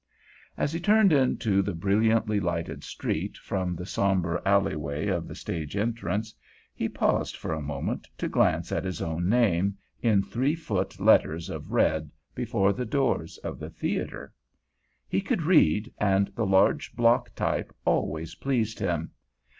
As he turned into the brilliantly lighted street from the somber alleyway of the stage entrance, he paused for a moment to glance at his own name, in three foot letters of red, before the doors of the theater. He could read, and the large block type always pleased him.